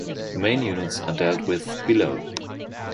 The main units are dealt with below.